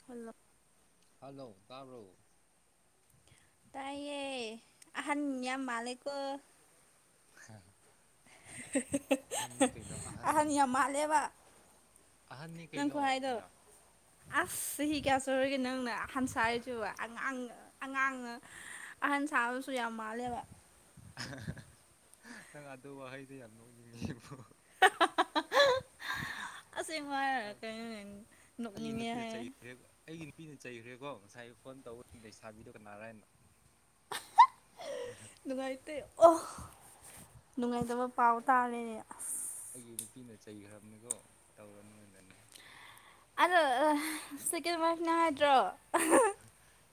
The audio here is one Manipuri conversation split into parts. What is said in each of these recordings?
ꯐꯜꯂꯣ ꯍꯜꯂꯣ ꯇꯥꯕ꯭ꯔꯣ ꯇꯥꯏꯌꯦꯦ ꯑꯍꯟ ꯌꯥꯝ ꯃꯥꯂꯦꯀꯣ ꯍꯝ ꯑꯍꯅꯤ ꯑꯍꯟꯅꯤ ꯌꯥꯝ ꯃꯥꯂꯦꯕ ꯑꯍꯟꯅꯤ ꯅꯪ ꯀꯣ ꯀꯩꯅꯣ ꯍꯥꯏꯗꯣ ꯑꯌꯥ ꯑ ꯆꯍꯤ ꯀꯌꯥ ꯁ ꯑꯣꯏꯨꯔꯒꯦ ꯅꯪꯅ ꯑꯍꯟ ꯁꯥꯔꯤꯁꯨꯕ ꯑꯉꯥꯡ ꯑꯉꯥꯡꯅ ꯑꯍꯟ ꯁꯥꯕꯁꯨ ꯌꯥꯝ ꯃꯥꯂꯦꯕ ꯅꯪ ꯑꯗꯨ ꯋꯥꯍꯩꯗꯣ ꯌꯥꯝ ꯅꯣꯛꯅꯤꯡꯉꯤ ꯏꯡꯕꯣ [unintelligible] ꯑꯁꯦꯡ ꯍꯥꯏꯔ ꯑꯁ ꯀꯩꯅꯣ ꯑꯩꯒꯤ ꯅꯣꯛꯅꯤꯡꯉꯦ ꯍꯥꯏ ꯑꯣꯀꯣ ꯉꯁꯥꯏ ꯐꯣꯟ ꯇꯧꯕꯗꯨꯗ ꯁꯥꯕꯤꯗꯣ ꯀꯅꯥꯔ ꯍꯥꯏꯅ ꯅꯨꯡꯉꯥꯏꯇ ꯑꯣ ꯅꯨꯡꯉꯥꯏꯇꯕ ꯄꯥꯎ ꯇꯥꯔꯦꯅꯦ ꯑꯁ ꯑꯩꯒꯤ ꯅꯨꯄꯤꯅ ꯆꯩꯈ꯭ꯔꯕꯅꯦꯀꯣ ꯇꯧꯔꯅꯣꯅꯅꯪ ꯑꯗꯣ ꯁꯤꯀꯟꯋꯞꯅꯤ ꯍꯥꯏꯗ꯭ꯔꯣ ꯑꯍꯥ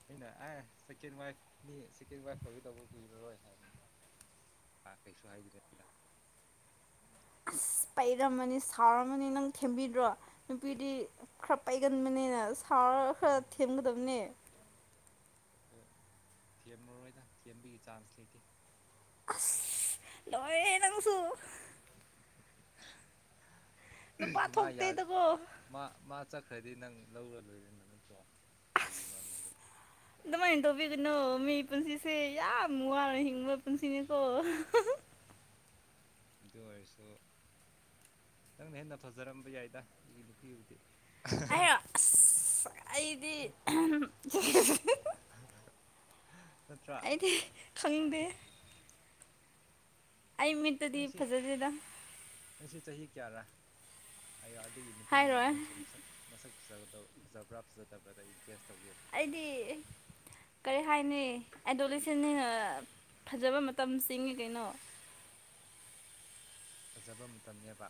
ꯑꯩꯅ ꯑꯥꯏ ꯁꯦꯀꯦꯟ ꯋ꯭ꯥꯏ꯭ꯐꯅꯤ ꯁꯦꯀꯦꯟ ꯋ꯭ꯥꯏ꯭ꯐ ꯑꯣꯏꯒꯗꯧꯕ ꯀꯨꯏꯔꯔꯣꯏ ꯍꯥꯏꯕꯅꯤ ꯑ ꯀꯩꯁꯨ ꯍꯥꯏꯗ꯭ꯔꯦꯗ ꯑꯁ ꯄꯩꯔꯝꯃꯅꯤ ꯁꯥꯎꯔꯝꯃꯅꯤ ꯅꯪ ꯊꯦꯝꯕꯤꯗ꯭ꯔꯣ ꯅꯨꯄꯤꯗꯤ ꯈꯔ ꯄꯩꯒꯟꯕꯅꯤꯅ ꯑꯁ ꯊꯥꯎꯔ ꯈꯔ ꯊꯦꯝꯒꯗ꯭ꯕꯅꯦ ꯗꯨ ꯊꯦꯝꯃꯔꯣꯏꯗ ꯊꯦꯝꯕꯤꯒꯤ ꯆꯥꯟꯁ ꯂꯩꯇꯦ ꯑꯥꯁ ꯂꯣꯏꯔꯦꯍꯦꯅꯪꯁꯨ [unintelligible] ꯅꯨꯄꯥ ꯃꯥ ꯌꯥ ꯊꯣꯛꯇꯦꯗꯀꯣ ꯃꯥ ꯃꯥ ꯆꯠꯈ꯭ꯔꯗꯤ ꯅꯪ ꯂꯧꯔ ꯂꯣꯏꯔꯦꯟꯗ ꯅꯠꯇ꯭ꯔꯣ ꯀꯔꯤꯒꯤꯅꯣꯅꯦ ꯑꯗꯨ ꯑꯥꯁ ꯗꯨꯃꯥꯏꯅ ꯇꯧꯕꯤꯒꯅꯣ ꯃꯤ ꯄꯨꯟꯁꯤꯁꯦ ꯌꯥꯞ ꯃꯨꯋꯥꯅ ꯍꯤꯡꯕ ꯄꯨꯟꯁꯤꯅꯦꯀꯣ ꯑꯗꯨ ꯑꯣꯏꯔꯁꯨ ꯅꯪꯅ ꯍꯦꯟꯅ ꯐꯖꯔꯝꯕ ꯌꯥꯏꯗ ꯑꯩꯒꯤ ꯅꯨꯄꯤꯕꯨꯗꯤ ꯑꯩꯍꯥꯏꯔꯣ ꯑꯁ ꯑꯩꯗꯤ ꯑꯍꯝ ꯅꯠꯇ꯭ꯔꯥ ꯑꯩꯗꯤ ꯈꯪꯗꯦ ꯑꯩ ꯃꯤꯠꯇꯗꯤ ꯐꯖꯗꯦꯗ ꯑꯪꯁꯦ ꯆꯍꯤ ꯀꯌꯥꯔꯥ ꯍꯥꯏꯌꯣ ꯑꯗꯨꯒꯤ ꯃꯇꯨꯡ ꯏꯟꯅ ꯍꯥꯏꯔꯣꯏ ꯅꯪꯁꯦ ꯃꯁꯛ ꯃꯁꯛ ꯐꯖꯒꯗꯕ ꯐꯖꯕ꯭ꯔꯥ ꯐꯖꯗꯕ꯭ꯔꯥꯗ ꯑꯩ ꯌꯦ ꯑꯩꯗꯤ ꯀꯔꯤ ꯍꯥꯏꯅꯤ ꯑꯦꯟꯗꯣꯂꯦꯁꯟꯅꯤꯅ ꯐꯖꯕ ꯃꯇꯝꯆꯤꯡꯉꯤ ꯀꯩꯅꯣ ꯐꯖꯕ ꯃꯇꯝꯅꯦꯕ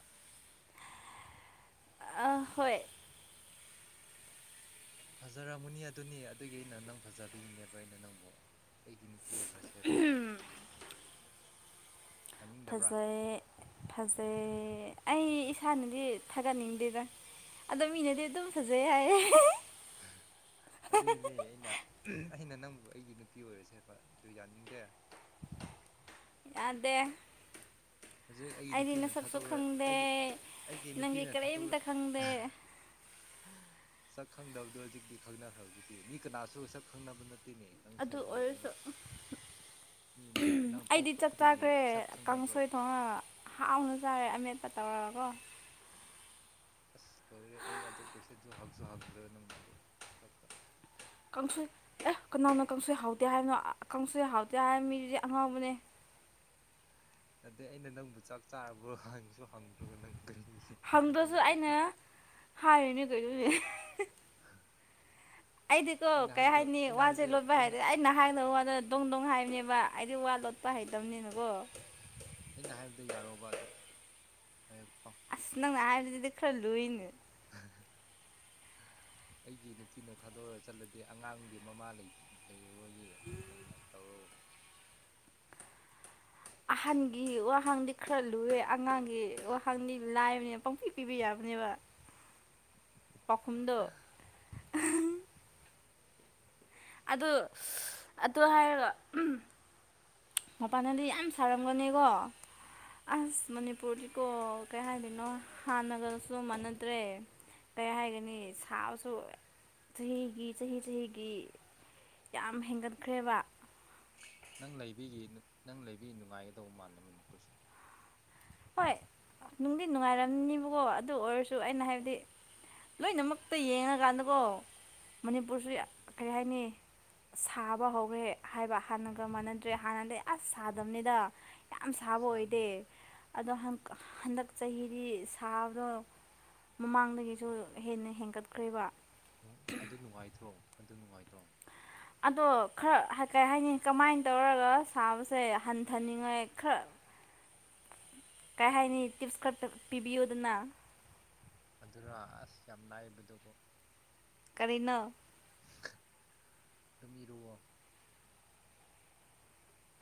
ꯑ ꯍ꯭ꯣꯏ꯭ꯇ ꯐꯖꯔꯝꯃꯨꯅꯤ ꯑꯗꯨꯅꯤ ꯑꯗꯨꯒꯤ ꯑꯩꯅ ꯅꯪ ꯐꯖꯕꯤꯅꯦꯕ ꯑꯩꯅ ꯅꯪꯕꯨ ꯑꯩꯒꯤ ꯅꯨꯄꯤ ꯑꯣꯏꯈ꯭ꯔꯁ꯭ꯦꯕ ꯏꯆꯟ ꯐꯖꯩ ꯐꯖꯩ ꯑꯩ ꯏꯁꯥꯅꯗꯤ ꯊꯥꯒꯠꯅꯤꯡꯗꯦꯗ ꯑꯗꯣ ꯃꯤꯅꯗꯤ ꯑꯗꯨꯝ ꯐꯖꯩ ꯍꯥꯏꯌꯦ ꯍꯥ ꯑꯗꯨꯏꯅꯦ ꯑꯩꯅ [unintelligible] ꯑꯩꯅ ꯅꯪꯕꯨ ꯑꯩꯒꯤ ꯅꯨꯄꯤ ꯑꯣꯏꯔꯁꯦꯕ ꯗꯨ ꯌꯥꯅꯤꯡꯗꯦ ꯌꯥꯗꯦ ꯍꯧꯖꯤꯛ ꯑꯩꯒꯤ ꯑꯩꯗꯤ ꯅꯨꯄꯤꯅ ꯅꯁꯛꯁꯨ ꯊꯥꯗꯣꯔꯛ ꯈꯪꯗꯦ ꯑꯩꯒꯤ ꯑꯩꯒꯤ ꯅꯪꯒꯤ ꯅꯨꯄꯤꯅ ꯊꯥꯗꯣꯛꯔ ꯀꯔꯤꯝꯇ ꯈꯪꯗꯦ ꯑꯥꯍꯥ ꯁꯛ ꯈꯪꯗꯕꯗꯣ ꯍꯧꯖꯤꯛꯇꯤ ꯈꯪꯅꯈ꯭ꯔꯕꯗꯨꯗꯤ ꯃꯤ ꯀꯅꯥꯁꯨ ꯁꯛ ꯈꯪꯅꯕ ꯅꯠ ꯇꯤꯅꯦ ꯅꯪꯁꯨ ꯑꯗꯨ ꯂꯣꯏꯔꯦ ꯑꯣꯏꯔꯁꯨ ꯑꯩꯗꯤ ꯆꯥꯛ ꯆꯥꯈ꯭ꯔꯦ ꯁꯛ ꯈꯪꯅꯕ꯭ꯔꯣ ꯀꯥꯡꯁꯣꯏ ꯊꯣꯡꯉ ꯍꯥꯎꯅ ꯆꯥꯔꯦ ꯑꯃꯦꯠꯄ ꯇꯧꯔꯒꯀꯣ ꯑꯁ ꯂꯣꯏꯔꯦ ꯑꯩ ꯑꯗꯨ ꯀꯣꯏꯁꯟꯁꯨ ꯍꯪꯁꯨ ꯍꯪꯗ꯭ꯔꯒ ꯅꯪꯅ ꯑꯗꯨ ꯊꯛꯇ ꯀꯥꯡꯁꯣꯏ ꯑꯦ ꯀꯅꯥꯅ ꯀꯥꯡꯁꯣꯏ ꯍꯥꯎꯗꯦ ꯍꯥꯏꯕꯅꯣ ꯀꯥꯡꯁꯣꯏ ꯍꯥꯎꯗꯦ ꯍꯥꯏꯕ ꯃꯤꯗꯨꯗꯤ ꯑꯉꯥꯎꯕꯅꯦ [unintelligible] ꯑꯗꯩ ꯑꯩꯅ ꯅꯪꯕꯨ ꯆꯥꯛ ꯆꯥꯔꯕ꯭ꯔꯣ ꯍꯪꯁꯨ ꯍꯪꯗ꯭ꯔꯒ ꯅꯪ ꯀꯔꯤꯒꯤ ꯑꯗꯨ ꯍꯪꯗ꯭ꯔꯁꯨ ꯑꯩꯅ ꯇꯣꯄꯤꯛꯇꯣ ꯍꯥꯏꯔꯨꯏꯅꯦ ꯀꯩꯅꯣꯅꯦ ꯑꯩꯗꯤꯀꯣ ꯑꯩꯅ ꯀꯩ ꯍꯥꯏꯕꯗꯣ ꯍꯥꯏꯅꯤ ꯑꯩꯅ ꯋꯥꯁꯦ ꯍꯥꯏꯕꯗꯣ ꯂꯣꯠꯄ ꯑꯩꯅ ꯍꯩꯔꯦ ꯑꯩ ꯅ ꯍꯥꯏꯗꯣ ꯋꯥꯗꯣ ꯗꯣꯡ ꯗꯣꯡ ꯍꯥꯏꯕꯅꯦꯕ ꯋꯥ ꯑꯩꯗꯤ ꯋꯥ ꯂꯣꯠꯄ ꯎꯝ ꯍꯩꯇ꯭ꯕꯅꯤꯅꯀꯣ ꯑ꯭ꯩꯒ ꯑꯁ ꯅꯪꯅ ꯍꯥꯏꯕꯗꯨꯗꯤꯗꯤ ꯈꯔ ꯂꯨꯏꯅꯦ ꯍꯥ ꯍꯥ ꯍꯥ ꯑꯩꯒꯤ ꯅꯨꯄꯤꯅ ꯊꯥꯗꯣꯔ ꯆꯠꯂꯗꯤ ꯑꯉꯥꯡꯒꯤ ꯃꯃꯥ ꯂꯩꯇ꯭ꯔ ꯂꯩꯌꯦ ꯂꯩꯌꯦ ꯑꯗꯩ ꯅꯪꯅ ꯇꯧꯔꯣ ꯑꯍꯟꯒꯤ ꯋꯥꯍꯪꯗꯤ ꯈꯔ ꯂꯨꯑꯦ ꯑꯉꯥꯡꯒꯤ ꯋꯥꯍꯪꯗꯤ ꯂꯥꯏꯕꯅꯦ ꯄꯪꯄꯤ ꯄꯤꯕ ꯌꯥꯕ ꯅꯦꯕ ꯄꯥꯎꯈꯨꯝꯗꯣ ꯑꯍꯪ ꯑꯗꯨ ꯑꯗꯨ ꯍꯥꯏꯔꯒ ꯃꯄꯥꯟꯗꯗꯤ ꯌꯥꯝ ꯁꯥꯔꯝꯒꯅꯤꯀꯣ ꯑꯁ ꯃꯅꯤꯄꯨꯔꯗꯤꯀꯣ ꯀꯩ ꯍꯥꯏꯗꯣꯏꯅꯣ ꯍꯥꯟꯅꯒꯁꯨ ꯃꯥꯟꯅꯗ꯭ꯔꯦ ꯀꯩ ꯍꯥꯏꯒꯅꯤ ꯁꯥꯕꯁꯨ ꯆꯍꯤꯒꯤ ꯆꯍꯤ ꯆꯍꯤꯒꯤ ꯌꯥꯝ ꯍꯦꯟꯒꯠꯈ꯭ꯔꯦꯕ ꯅꯪ ꯂꯩꯕꯤꯒꯤ ꯅꯪ ꯂꯩꯕꯤ ꯅꯨꯡꯉꯥꯏꯒꯗꯧꯕ ꯃꯥꯜꯂꯦ ꯃꯅꯤꯄꯨꯔꯁꯦ ꯍꯣꯏ ꯅꯨꯡꯗꯤ ꯅꯨꯡꯉꯥꯏꯔꯝꯅꯤꯕꯀꯣ ꯑꯗꯨ ꯑꯣꯏꯔꯁꯨ ꯑꯩꯅ ꯍꯥꯏꯕꯗꯤ ꯂꯣꯏꯅꯃꯛꯇ ꯌꯦꯡꯉꯀꯥꯟꯗꯀꯣ ꯃꯅꯤꯄꯨꯔꯁꯨ ꯎꯝ ꯀꯔꯤ ꯍꯥꯏꯅꯤ ꯁꯥꯕ ꯍꯧꯔꯦ ꯍꯥꯏꯕ ꯍꯥꯟꯅꯒ ꯃꯥꯟꯅꯗ꯭ꯔꯦ ꯍꯥꯟꯅꯗꯤ ꯑꯁ ꯁꯥꯗꯝꯕꯅꯤꯗ ꯌꯥꯝ ꯁꯥꯕ ꯑꯣꯏꯗꯦ ꯁꯥꯕꯅꯦ ꯑꯗꯣ ꯍꯟꯗꯛ ꯆꯍꯤꯗꯤ ꯁꯥꯕꯗꯣ ꯃꯃꯥꯡꯗꯒꯤꯁꯨ ꯍꯦꯟꯅ ꯍꯦꯟꯒꯠꯈ꯭ꯔꯦꯕ ꯑꯗꯨ ꯅꯨꯡꯉꯥꯏꯇ꯭ꯔꯣ ꯑꯗꯨ ꯅꯨꯡꯉꯥꯏꯇ꯭ꯔꯣ ꯑꯗꯣ ꯈꯔ ꯀꯩ ꯍꯥꯏꯅꯤ ꯀꯃꯥꯏꯅ ꯇꯧꯔꯒ ꯁꯥꯕꯁꯦ ꯍꯟꯊꯅꯤꯡꯉꯥꯏ ꯈꯔ ꯀꯔꯤ ꯍꯥꯏꯅꯤ ꯇꯤꯞꯁ ꯈꯔ ꯄꯤꯕꯤꯌꯨꯗꯅ ꯑꯗꯨꯅ ꯑꯁ ꯌꯥꯝ ꯅꯥꯏꯕꯗꯨꯕꯨ ꯀꯔꯤꯅꯣ ꯗꯃꯤꯔꯣꯑꯣ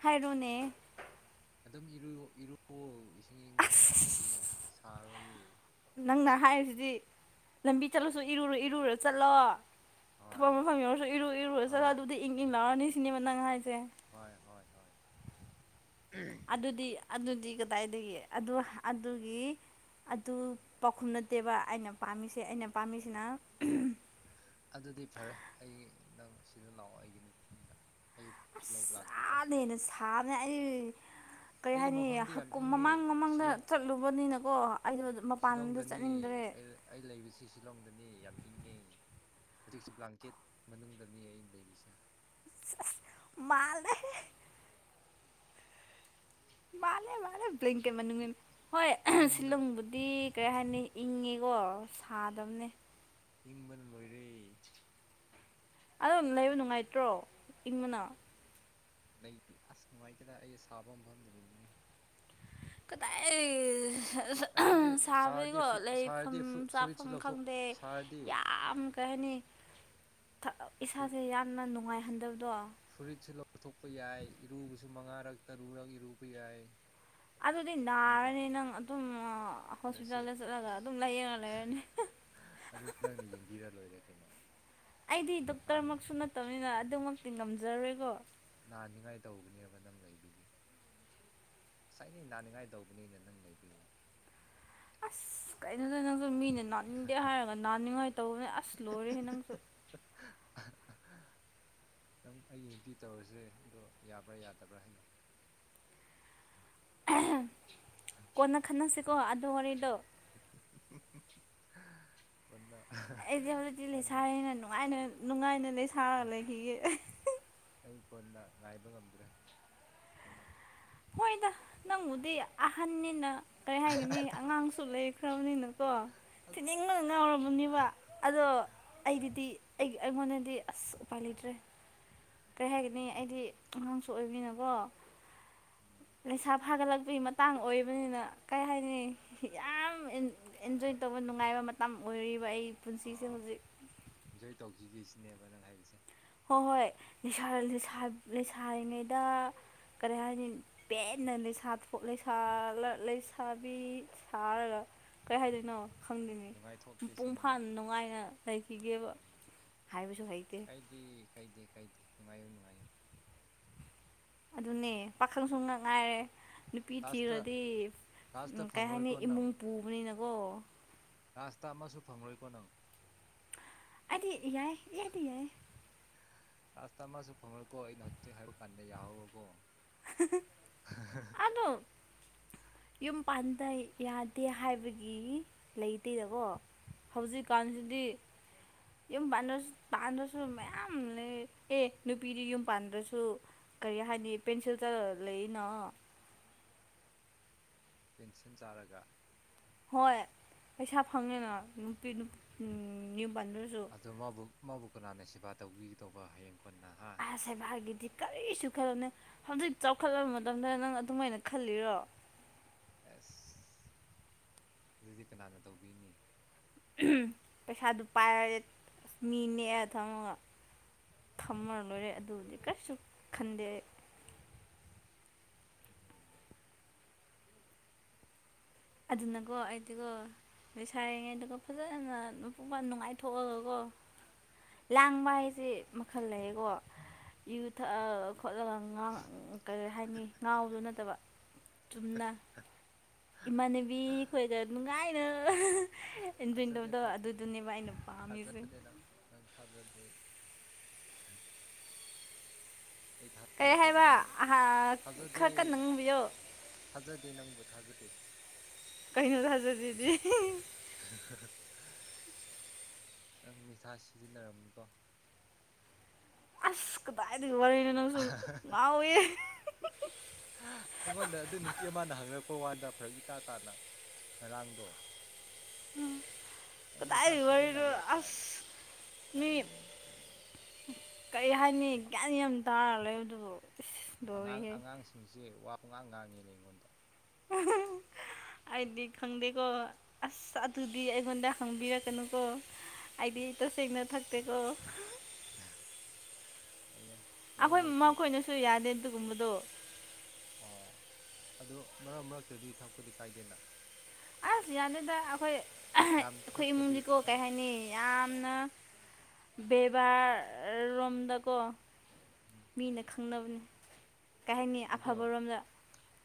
ꯍꯥꯏꯔꯣꯅꯦ ꯑꯗꯨꯝ ꯏꯔ ꯏꯔꯨꯑꯣ ꯏꯁꯤꯡ ꯏꯪꯕꯅ ꯑꯗꯨꯗꯤ ꯑꯁ ꯁꯥꯔꯣꯏꯌꯦ ꯅꯪꯅ ꯍꯥꯏꯔꯤꯁꯤꯗꯤ ꯂꯝꯕꯤ ꯆꯠꯂꯁꯨ ꯏꯔꯨꯔꯨ ꯏꯔꯨꯔ ꯆꯠꯂꯣ ꯍꯣꯏ ꯊꯕꯛ ꯃꯐꯝ ꯌꯧꯔꯁꯨ ꯏꯔꯨ ꯏꯔꯨꯔ ꯍꯣꯏ ꯖꯒꯥꯗꯨꯗꯤ ꯏꯪ ꯏꯪꯂꯛꯑꯅꯤ ꯁꯤꯅꯦꯕ ꯅꯪ ꯍꯥꯏ ꯍꯣꯏ ꯍꯣꯏ ꯍꯣꯏ ꯑꯗꯨꯗꯤ ꯑꯗꯨꯗꯤ ꯀꯗꯥꯏꯗꯒꯤ ꯑꯗꯨꯒꯤ ꯑꯗꯨ ꯄꯥꯎꯈꯨꯝ ꯅꯠꯇꯦꯕ ꯑꯩꯅ ꯄꯥꯝꯃꯤꯁꯦ ꯑꯩꯅ ꯄꯥꯝꯃꯤꯁꯤꯅ ꯑꯗꯨꯗꯤ ꯐꯔꯦ ꯑꯩ ꯅꯪ ꯁꯤꯗ ꯂꯥꯛꯑꯣ ꯑꯩꯒꯤ ꯃꯣꯟꯗ ꯑꯁ ꯁꯥꯅꯦꯅꯦ ꯁꯥꯅꯦ ꯑꯩ ꯀꯔꯤ ꯑꯩꯒꯤ ꯃꯐꯝꯗꯤ ꯍꯥꯏꯅꯤꯨꯞ ꯌꯥꯝ ꯏꯪꯉꯦ ꯃꯃꯥꯡ ꯃꯃꯥꯡꯗ ꯁꯤꯂꯣꯡ ꯆꯠꯂꯨꯕꯅꯤꯅꯀꯣ ꯑꯩꯗꯣ ꯃꯄꯥꯟꯗ ꯁꯤꯂꯣꯡꯗꯅꯤ ꯆꯠꯅꯤꯡꯗ꯭ꯔꯦ ꯑꯩ ꯂꯩꯕꯁꯤ ꯁꯤꯂꯣꯡꯗꯅꯤ ꯌꯥꯝ ꯏꯪꯉꯦ ꯍꯧꯖꯤꯛꯁꯨ ꯕ꯭ꯂꯥꯡꯀꯦꯠ ꯃꯅꯨꯡꯗꯅꯤ ꯑꯩ ꯂꯩꯔꯤꯁꯦ ꯃꯥꯜꯅꯦ ꯃꯥꯜꯂꯦ ꯃꯥꯂꯦ ꯕ꯭ꯂꯦꯡꯀꯦꯠ ꯃꯅꯨꯡ ꯍꯣꯏ ꯏꯪꯕꯅ ꯁꯤꯜꯂꯪꯕꯨꯗꯤ ꯀꯔꯤ ꯍꯥꯏꯅꯤ ꯏꯪꯉꯦꯀꯣ ꯁꯥꯗꯝꯕꯅꯦ ꯏꯪꯕꯅ ꯂꯣꯏꯔꯦ ꯑꯗꯨꯝ ꯂꯩꯕ ꯅꯨꯡꯉꯥꯏꯇ꯭ꯔꯣ ꯏꯪꯕꯅ ꯂꯩ ꯑꯁ ꯅꯨꯡꯉꯥꯏꯇꯦꯗ ꯑꯩ ꯁꯥꯕ ꯃꯐꯝꯗꯗꯤ ꯅꯤꯡꯉꯤ ꯀꯗꯥꯏ ꯍꯥꯏꯕꯗꯤ ꯁꯥꯔꯗꯤ ꯁꯥꯕꯒꯤꯀꯣ ꯂꯩꯐꯝ ꯁꯥꯔꯗꯤ ꯐꯨꯔꯤꯠꯁꯨ ꯆꯥꯐꯝ ꯂꯧꯊꯣꯛ ꯈꯪꯗ ꯁꯥꯔꯗꯤ ꯌꯥꯝ ꯀꯩ ꯍꯥꯏꯅꯤ ꯏꯁꯥꯁꯦ ꯌꯥꯝꯅ ꯅꯨꯡꯉꯥꯏ ꯐꯨꯔꯤꯠꯁꯨ ꯂꯧꯊꯣꯛꯄ ꯌꯥꯏ ꯏꯔꯨꯕꯁꯨ ꯃꯉꯥꯔꯛ ꯇꯔꯨꯔꯛ ꯏꯔꯨꯕ ꯌꯥꯏ ꯑꯗꯨꯗꯤ ꯑꯗꯨꯒ ꯅꯥꯔꯅꯤ ꯅꯪ ꯑꯗꯨꯝ ꯑꯗꯁꯤ ꯍꯣꯁꯄꯤꯇꯥꯜꯗ ꯆꯠꯂꯒ ꯑꯗꯨꯝ ꯂꯩꯌꯦꯉ ꯂꯩꯔꯅꯤ ꯑꯗꯨ ꯅꯪꯅ ꯌꯦꯡꯕꯤꯔ ꯂꯣꯏꯔꯦ ꯀꯩꯅꯣ ꯑꯩꯗꯤ ꯅꯥꯅꯤꯡꯉꯥꯏ ꯗꯣꯛꯇꯔꯃꯛꯁꯨ ꯅꯠꯇꯅꯤꯅ ꯑꯗꯨꯃꯛꯇꯤ ꯉꯝꯖꯔꯣꯏꯀꯣ ꯅꯥꯅꯤꯉꯥꯏ ꯇꯧꯕꯅꯦꯕ ꯅꯪ ꯂꯩꯕꯤꯒꯦ ꯉꯁꯥꯏꯅꯤ ꯅꯥꯅꯤꯡꯉꯥꯏ ꯇꯧꯕꯅꯦꯅ ꯅꯪ ꯂꯩꯕꯤꯌꯦ ꯑꯁ ꯀꯩꯅꯣꯗ ꯅꯪꯁꯨ ꯃꯤꯅ ꯅꯥꯟꯅꯤꯡꯗꯦ ꯍꯥꯏꯔꯒ ꯅꯥꯅꯤꯡꯉꯥꯏ ꯇꯧꯕꯅꯦ ꯑꯁ ꯂꯣꯏꯔꯦꯍꯦ ꯅꯪꯁꯨ ꯅꯪ ꯑꯩꯒꯤ ꯅꯨꯄꯤ ꯇꯧꯔꯁꯦ ꯑꯗꯣ ꯌꯥꯕ꯭ꯔꯥ ꯌꯥꯗꯕ꯭ꯔꯥ ꯍꯥꯏꯌꯣ ꯀꯣꯟꯅ ꯈꯟꯅꯁꯤꯀꯣ ꯑꯗꯨ ꯋꯥꯔꯤꯗꯣ [inaudible] ꯑꯩꯗꯤ ꯍꯧꯖꯤꯛꯇꯤ ꯀꯣꯟꯅ ꯂꯩꯁꯥꯔꯤꯅ ꯅꯨꯡꯉꯥꯏ ꯅꯨꯡꯉꯥꯏꯅ ꯂꯩꯁꯥꯔꯒ ꯂꯩꯈꯤꯒꯦ ꯑꯩ ꯀꯣꯟꯅ ꯉꯥꯏꯕ ꯉꯝꯗ꯭ꯔꯦ ꯍꯣꯏꯗ ꯅꯪꯕꯨꯗꯤ ꯑꯍꯟꯅꯤꯅ ꯀꯔꯤ ꯍꯥꯏꯒꯅꯤ ꯑꯉꯥꯡꯁꯨ ꯂꯩꯈ꯭ꯔꯕꯅꯤꯅꯀꯣ ꯑꯁ ꯊꯤꯅꯤꯡꯕꯅ ꯉꯥꯎꯔꯕꯅꯦꯕ ꯑꯗꯣ ꯑꯩꯒꯤꯗꯤ ꯑꯩ ꯑꯩꯉꯣꯟꯗꯗꯤ ꯑꯁ ꯎꯄꯥꯏ ꯂꯩꯇ꯭ꯔꯦ ꯀꯔꯤ ꯍꯥꯏꯒꯅꯤ ꯑꯩꯗꯤ ꯑꯉꯥꯡꯁꯨ ꯑꯣꯏꯃꯤꯅꯀꯣ ꯎꯝ ꯂꯩꯁꯥ ꯐꯥꯒꯠꯂꯛꯄꯒꯤ ꯃꯇꯥꯡ ꯑꯣꯏꯕꯅꯤꯅ ꯀꯩ ꯍꯥꯏꯅꯤ ꯌꯥꯝ ꯇꯣꯏꯅ ꯇꯧꯕ ꯅꯨꯡꯉꯥꯏꯕ ꯃꯇꯝ ꯑꯣꯏꯔꯤꯕ ꯑꯩ ꯄꯨꯟꯁꯤꯁꯦ ꯑꯥ ꯍꯧꯖꯤꯛ ꯏꯟꯖꯣꯏ ꯇꯧꯈꯤꯒꯦ ꯁꯤꯅꯦꯕ ꯅꯪ ꯍꯥꯏꯕꯁꯦ ꯍꯣꯏ ꯍꯣꯏ ꯎꯝ ꯂꯩꯁꯥꯔꯤꯉꯩꯗ ꯀꯔꯤ ꯍꯥꯏꯅꯤ ꯄꯦꯟꯅ ꯂꯩꯁꯥꯊ ꯂꯩꯁꯥꯕꯤ ꯁꯥꯔꯒ ꯀꯔꯤ ꯍꯥꯏꯗꯣꯏꯅꯣ ꯈꯪꯗꯅꯤꯤ ꯅꯨꯡꯉꯥꯏꯊꯣꯛꯀꯦ ꯃꯄꯨꯡ ꯁꯤꯅꯦꯕ ꯐꯥꯅ ꯅꯨꯡꯉꯥꯏꯅ ꯂꯩꯈꯤꯒꯦꯕ ꯎꯝ ꯍ ꯃꯁꯨꯨ ꯍꯩꯇ ꯀꯥꯏꯗꯦ ꯀꯥꯏꯗꯦ ꯀꯥꯏꯗꯦ ꯅꯨꯡꯉꯥꯏꯣ ꯅꯨꯡꯉꯥꯏꯣ ꯑꯗꯨꯅꯦ ꯄꯥꯈꯪ ꯁꯨꯡꯅ ꯉꯥꯏꯔꯦ ꯅꯨꯄꯤ ꯂꯥꯁꯇ ꯊꯤꯈ꯭ꯔꯗꯤ ꯂꯥꯁꯇ ꯀꯩ ꯍꯥꯏꯅꯤ ꯐꯪꯉꯔꯣꯏꯀꯣ ꯏꯃꯨꯡ ꯄꯨꯕꯅꯤꯅ ꯔꯥꯁꯇ ꯑꯃꯁꯨ ꯐꯪꯂꯪꯂꯣꯏꯀꯣ ꯅꯪ ꯑꯗꯤ ꯌꯥꯏ ꯌꯥꯏꯗꯤ ꯌꯥꯏ ꯂꯥꯁꯇ ꯑꯃꯁꯨ ꯐꯪꯉꯀꯣ ꯑꯩꯅ ꯍꯧꯖꯤꯛ ꯍꯥꯏꯕ ꯀꯥꯟꯗ ꯌꯥꯍꯧꯔꯣꯀꯣ ꯑꯗꯣ ꯌꯨꯝ ꯄꯥꯟꯗ ꯌꯥꯗꯦ ꯍꯥꯏꯕꯒꯤ ꯂꯩꯇꯦꯗꯀꯣ ꯍꯧꯖꯤꯛꯀꯥꯟꯁꯤꯗꯤ ꯌꯨꯝ ꯄꯥꯟꯁꯨ ꯄꯥꯟꯗ꯭ꯔꯁꯨ ꯃꯌꯥꯝ ꯂꯩ ꯑꯦ ꯅꯨꯄꯤꯗꯤ ꯌꯨꯝ ꯄꯥꯟꯗ꯭ꯔꯁꯨ ꯀꯔꯤ ꯍꯥꯏꯅꯤ ꯄꯦꯟꯁꯤꯜ ꯆ ꯂꯩꯔꯤꯅꯣ ꯄꯦꯟꯁꯤꯟ ꯆꯥꯔꯒ ꯍꯣꯏ ꯄꯩꯁꯥ ꯐꯪꯉꯦꯅ ꯅꯨꯄꯤ ꯌꯨꯝ ꯄꯟꯗꯨꯔꯁꯨ ꯑꯗꯣ ꯃꯥꯕꯨ ꯃꯥꯕꯨ ꯀꯅꯥꯅ ꯁꯦꯕꯥ ꯇꯧꯕꯤꯒꯗꯧꯕ ꯍꯌꯦꯡꯣ ꯑꯁꯦꯚꯔꯒꯗꯤ ꯀꯔꯤꯁꯨ ꯈꯜꯂꯣꯅꯦ ꯍꯧꯖꯤꯛ ꯆꯥꯎꯈꯠꯂꯕ ꯃꯇꯝꯗ ꯅꯪ ꯑꯗꯨꯃꯥꯏꯅ ꯈꯜꯂꯤꯔꯣ ꯑꯦꯁ ꯑꯗꯨꯗꯤ ꯀꯅꯥꯅ ꯇꯧꯕꯤꯅꯤ ꯄꯩꯁꯥꯗꯨ ꯄꯥꯏꯔꯗꯤ ꯑꯁ ꯃꯤ ꯅꯦꯛꯑ ꯊꯝꯃꯒ ꯈꯝꯃ ꯂꯣꯏꯔꯦ ꯑꯗꯨꯕꯨꯗꯤ ꯀꯔꯤꯁꯨ ꯈꯟꯗꯦ ꯎꯝ ꯑꯗꯨꯅꯀꯣ ꯑꯩꯗꯤꯒꯣ ꯂꯩꯁꯥꯏꯔꯤꯉꯩ ꯑꯗꯨꯒ ꯐꯖꯅ ꯃꯄꯨꯡꯄ ꯅꯨꯡꯉꯥꯏꯊꯣꯛꯑꯒꯀꯣ ꯂꯥꯡꯕ ꯍꯥꯏꯁꯦ ꯃꯈꯜ ꯂꯩꯌꯦꯀꯣ ꯌꯨ ꯊꯛꯑ ꯈꯣꯠꯂꯒ ꯉ ꯀꯔꯤ ꯍꯥꯏꯅꯤ ꯉꯥꯎꯗꯨ ꯅꯠꯇꯕ ꯆꯨꯝꯅꯥ ꯏꯃꯥꯟꯅꯕꯤ ꯑꯩꯈꯣꯏꯗ ꯅꯨꯡꯉꯥꯏꯅ ꯑꯦꯟꯖꯣꯏ ꯊꯥꯖꯗꯦ ꯇꯧꯕꯗꯣ ꯊꯥꯖꯗꯦ ꯑꯗꯨꯗꯨꯅꯦꯕ ꯑꯩꯅ ꯄꯥꯝꯃꯤꯁꯦ ꯊꯥꯖꯠꯗꯦ ꯀꯔꯤ ꯍꯥꯏꯕ ꯅꯪꯕꯨ ꯊꯥꯖꯗꯦ ꯈꯔ ꯈ ꯅꯪꯕꯤꯌꯣ ꯊꯥꯖꯗꯦ ꯅꯪꯕꯨ ꯊꯥꯖꯗꯦ ꯀꯩꯅꯣ ꯊꯥꯖꯗꯤ [inaudible] ꯅꯪ ꯅꯤꯁꯥ ꯁꯤꯖꯤꯟꯅꯔꯝꯅꯤꯀꯣ ꯑꯁ ꯀꯗꯥꯏꯗꯤꯒ ꯋꯥꯔꯤꯔꯅꯦ ꯅꯪ ꯁꯨꯝ ꯉꯎꯌꯦ ꯑꯩꯉꯣꯟꯗ ꯑꯗꯨ ꯅꯨꯄꯤ ꯑꯃꯅ ꯍꯪꯉꯛꯄ ꯋꯥꯗ ꯐꯔꯛ ꯏꯇꯥ ꯇꯥꯅ ꯉꯔꯥꯡꯗꯣ ꯎꯝ ꯅꯪ ꯅꯤꯁꯥ ꯋꯥꯔꯤ ꯁꯤꯖꯤꯟꯅꯕ꯭ꯔꯥ ꯀꯥꯏꯅ ꯑꯁ ꯃꯤ ꯀꯔꯤ ꯀꯔꯤ ꯍꯥꯏꯅꯤ ꯒ꯭ꯌꯥꯟ ꯌꯥꯝ ꯇꯥꯔ ꯂꯩꯕꯗꯨꯗꯣ ꯑꯉꯥꯡ ꯑꯉꯥꯡꯁꯤꯡꯁꯦ ꯋꯥ ꯄꯉꯥꯡ ꯉꯥꯡꯉꯤꯅ ꯑꯩꯉꯣꯟꯗ [unintelligible] ꯑꯩꯗꯤ ꯈꯪꯗꯦꯀꯣ ꯑꯁ ꯑꯗꯨꯗꯤ ꯑꯩꯉꯣꯟꯗ ꯍꯪꯕꯤꯔꯛꯀꯅꯨꯀꯣ ꯑꯩꯗꯤ ꯇꯁꯦꯡꯅ ꯊꯛꯇꯦꯀꯣ [unintelligible] ꯃꯔꯛ ꯑꯈꯣꯏ ꯃꯔꯛꯇ ꯃꯈꯣꯏꯅꯁꯨ ꯌꯥꯗꯦ ꯑꯗꯨꯒꯨꯝꯕꯗꯣ ꯑꯣ ꯑꯗꯣ ꯃꯔꯛ ꯃꯔꯛꯇꯗꯤ ꯊꯛꯄꯗꯤ ꯀꯥꯏꯗꯦꯅ ꯑꯁ ꯌꯥꯅꯤꯗ ꯑꯩꯈꯣꯏ [unintelligible] ꯌꯥꯝ ꯑꯩꯈꯣꯏ ꯊꯛꯇꯕꯤ ꯏꯃꯨꯡꯗꯤꯀꯣ ꯈꯤꯇꯪ ꯀꯩ ꯍꯥꯏꯅꯤ ꯌꯥꯝꯅ ꯕꯦꯕꯥꯔꯔꯣꯝꯗꯀꯣ ꯎꯝ ꯃꯤꯅ ꯈꯥ ꯅꯕꯅꯤ ꯑꯗꯣ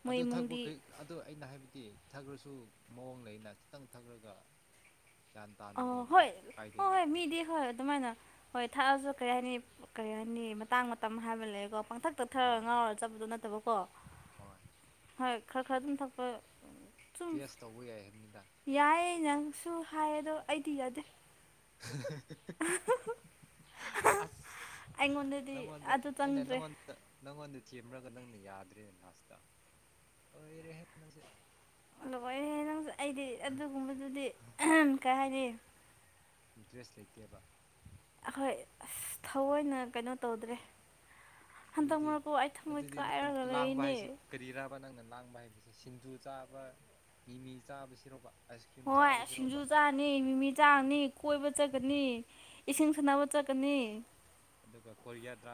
ꯃꯣꯏ ꯑꯗꯨ ꯊꯛꯄ ꯏꯃꯨꯡꯗꯤ ꯀꯩ ꯑꯗꯨ ꯑꯩꯅ ꯍꯥꯏꯕꯗꯤ ꯊꯛꯈ꯭ꯔꯁꯨ ꯃꯑꯣꯡ ꯂꯩꯅ ꯈꯤꯇꯪ ꯊꯛꯈ꯭ꯔꯒ ꯒ꯭ꯌꯥꯟ ꯇꯥꯅ ꯑꯣ ꯂꯩꯕꯗꯣ ꯍꯣꯏ ꯍꫭ ꯀꯥꯏꯗꯦꯅ ꯍꯣꯏ ꯑꯗꯨꯗꯤ ꯃꯤꯗꯤ ꯍꯣꯏ ꯑꯗꯨꯃꯥꯏꯅ ꯍꯣꯏ ꯊꯥꯛꯑꯖꯨ ꯀꯔꯤ ꯍꯥꯏꯅꯤ ꯀꯔꯤ ꯍꯥꯏꯅꯤ ꯃꯇꯥꯡ ꯃꯇꯝ ꯍꯥꯏꯕ ꯂꯑꯦꯀꯣ ꯄꯪꯊꯛꯇ ꯊꯛꯑ ꯍꯣꯏ ꯉꯥꯎꯔꯒ ꯆꯠꯄꯗꯣ ꯅꯠꯇꯕꯀꯣ ꯍꯣꯏ ꯍꯣꯏ ꯈꯔ ꯈꯔ ꯑꯗꯨꯝ ꯊꯛꯄ ꯆꯨꯝ ꯇꯦꯁ ꯇꯧꯕ ꯌꯥꯏ ꯍꯥꯏꯕꯅꯤꯗ ꯌꯥꯏ ꯑꯩꯅ ꯁꯨ ꯍꯥꯏ ꯑꯗꯣ ꯑꯩꯗꯤ ꯌꯥꯗꯦ [unintelligible] [unintelligible] [unintelligible] ꯑꯁ ꯑꯩꯉꯣꯟꯗꯗꯤ ꯅꯪꯉꯣꯟꯗ ꯑꯗꯨ ꯑꯩꯅ ꯆꯪꯗ꯭ꯔꯦ ꯅꯪꯉꯣꯟꯗ ꯅꯪꯉꯣꯟꯗ ꯁꯦꯝꯔꯒ ꯅꯪꯅ ꯌꯥꯗ꯭ꯔꯦꯅꯦ ꯂꯥꯁꯇ ꯂꫭꯏꯔꯦꯍꯦ ꯅꯪꯁꯦ ꯂꯣꯏꯔꯦꯍꯦ ꯅꯪꯁꯦ ꯑꯩꯗꯤ ꯑꯗꯨꯒꯨꯝꯕꯗꯨꯗꯤ [unintelligible] ꯀꯩ ꯍꯥꯏꯅꯤ ꯏꯟꯇ꯭ꯔꯦꯁ ꯂꯩꯇꯦꯕ ꯑꯈꯣꯏ ꯑꯁ ꯊꯋꫭꯏꯅ ꯀꯩꯅꯣ ꯇꯧꯗ꯭ꯔꯦ ꯍꯟꯗꯛ ꯑꯗꯨꯗꯤ ꯃꯔꯛꯄꯨ ꯑꯩ ꯊꯃꯣꯏ ꯑꯗꯨꯗꯤ ꯅꯪ ꯀꯥꯏꯔꯒ ꯂꯥꯡꯕ ꯂꯩꯅꯦ ꯍꯥꯏꯁꯤ ꯀꯔꯤꯔꯕ ꯅꯪꯅ ꯂꯥꯡꯕ ꯍꯥꯏꯗꯤ ꯁꯤꯡꯖꯨ ꯆꯥꯕ ꯃꯤꯃꯤ ꯆꯥꯕꯁꯤꯔꯣꯕ ꯑꯥꯏꯁ ꯀ꯭ꯔꯤꯝ ꯍꯣꯏ ꯁꯤꯡꯖꯨ ꯆꯥꯕꯁꯤꯔꯣꯕ ꯆꯥꯅꯤ ꯃꯤꯃꯤ ꯆꯥꯔꯨꯅꯤ ꯀꯣꯏꯕ ꯆꯠꯀꯅꯤ ꯏꯁꯤꯡ ꯁꯅꯥꯕ ꯆꯠꯀꯅꯤ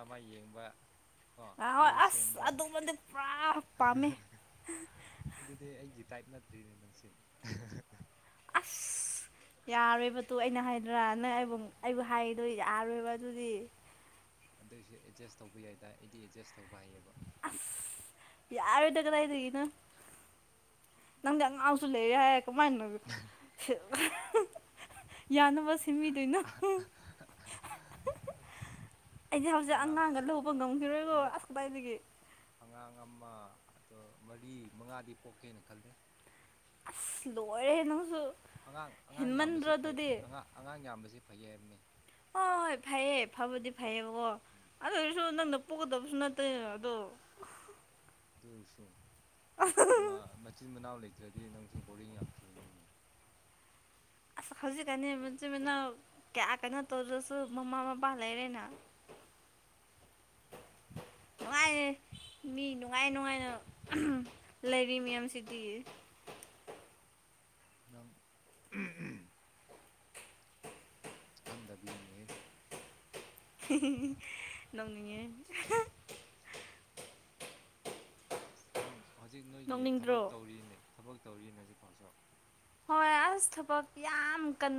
ꯃꯩ ꯌꯦꯡꯕ ꯀꯣ ꯑ ꯍꯣꯏ ꯔꯤꯜꯁ ꯑꯁ ꯌꯦꯡꯕ ꯑꯗꯨꯣꯝꯕꯗꯤ ꯄꯨꯔꯥ ꯄꯥꯝꯃꯦ ꯗꯨꯏꯅꯦ ꯅꯪꯁꯦ [unintelligible] [unintelligible] ꯌꯥꯔꯣꯏꯕꯇꯨ ꯑꯩꯅ ꯍꯥꯏꯗ꯭ꯔꯥ ꯅꯪ ꯑꯩꯕꯨ ꯎꯝ ꯑꯩꯕꯨ ꯍꯥꯏꯗꯣ ꯌꯥꯔꯣꯏꯕ ꯑꯗꯨꯗꯤ ꯑꯗꯨꯏꯁꯨ ꯑꯦꯗꯖꯁ ꯇꯧꯕ ꯌꯥꯏꯗꯥꯏ ꯑꯩꯗꯤ ꯑꯦꯗꯖꯁ ꯇꯧꯕ ꯍꯩꯌꯦꯕ ꯑꯁ ꯌꯥꯔꫭꯏꯗ ꯀꯗꯥꯏꯗꯒꯤꯅꫭ ꯅꯪꯗꯤ ꯑꯉꯥꯡꯁꯨ ꯂꯩꯔꯦ ꯍꯥꯏ ꯀꯃꯥꯏꯅ [unintelligible] ꯌꯥꯅꯕꯁꯤ ꯁꯤꯃꯤꯗꯣꯏꯅꯣ ꯑꯁ [unintelligible] ꯑꯩꯗꯤ ꯍꯧꯖꯤꯛ ꯑꯉꯥꯡ ꯑꯉꯥꯡꯒ ꯂꯧꯕ ꯉꯝꯈꯤꯔꯣꯏꯒꫭ ꯍꯟꯗꯛ ꯑꯁ ꯀꯗꯥꯏꯗꯒꯤ ꯑꯉꯥꯡ ꯑꯃ ꯑꯗꫭ ꯃꯔꯤ ꯃꯉꯥꯗꯤ ꯄꯣꯛꯀꯦꯅ ꯈꯜꯂꯦ ꯑꯁ ꯂꯣꯔꯦꯍꯦ ꯅꯪꯁꯨ ꯑꯉꯥꯡ ꯑꯉꯥꯡ ꯍꯦꯟꯃꯟꯗ꯭ꯔꯣ ꯌꯥꯝꯕꯁꯤ ꯐꯩ ꯑꯗꯨꯗꯤ ꯑꯉ-ꯉꯥꯡ ꯌꯥꯝꯕꯁꯤ ꯐꯩ ꯍꯥꯏꯕꯅꯤ ꯍꫭ ꯍꯣꯏ ꯐꯩꯌꯦ ꯐꯕꯨꯗꯤ ꯐꯩꯌꯦꯕꯀꯣ ꯎꯝ ꯑꯗꫭ ꯑꫭꯏꯁꯨ ꯅꯪꯅ ꯄꫭꯒꯗꯁꯨ ꯅꯠꯇꯦ ꯑꯗꯣ ꯃ ꯃꯆꯤꯟ ꯃꯅꯥꯎ ꯂꯩ ꯗ꯭ꯔꯗꯤ ꯅꯪꯁꯨ ꯕꯣꯔꯤꯡ ꯌꯥꯝ ꯆꯨꯅꯤꯅꯦ ꯁ ꯍꯧꯖꯤꯛꯀꯥꯅꯤ ꯃꯆꯤꯟꯃꯤꯅꯥꯎ ꯀꯌꯥ ꯀꯩꯅꯣ ꯇꯧꯗ꯭ꯔꯁꯨ ꯃꯃꯥ ꯃꯄꯥ ꯂꯩꯔꯦꯅ ꯅꯨꯉꯥꯌꯦ ꯃꯤ ꯅꯨꯡꯉꯥꯏ ꯅꯨꯡꯉꯥꯏꯅ ꯂꯩꯔꯤ ꯃꯌꯥꯝꯁꯤꯗꯤ [unintelligible] ꯈꯪꯗꯕꯒꯤꯅꯤꯍꯦ ꯅꯣꯡꯅꯤꯉꯦ ꯅꯪ ꯍꯧꯖꯤꯛ ꯅꯣꯏꯒꯤ ꯊꯕꯛ ꯅꯣꯛꯅꯤꯡꯗ꯭ꯔꯣ ꯇꯧꯔꯤꯅꯦ ꯊꯕꯛ ꯇꯧꯔꯤꯅꯦ ꯍꯧꯖꯤꯛꯐꯥꯎꯁꯨ ꯍꯣꯏ ꯑꯁ ꯊꯕꯛ ꯌꯥꯝ ꯀꯟ